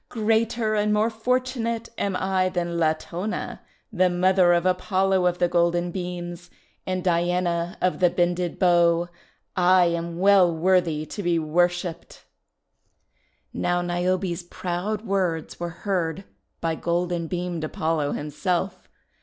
Greater and more fortunate am I than Latona, the mother of Apollo of the Golden Beams and Diana of the Bended Bow. I am well worthy to be worshipped!' Now Niobe's proud words were heard by golden beamed Apollo himself.